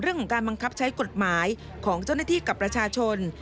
เรื่องของการบังคับใช้กฎหมายของเจ้าหน้าที่กับประชาชน